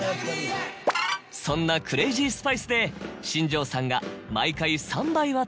そんなクレイジースパイスで新庄さんが。